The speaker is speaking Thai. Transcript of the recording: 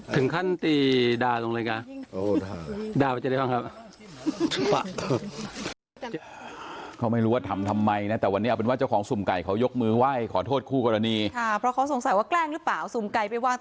ถึงขั้นตีด่าตรงเลยกะด่าไปจะได้หรือเปล่าครับ